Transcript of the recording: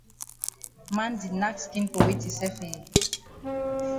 Man di nack skin for weti sef eh?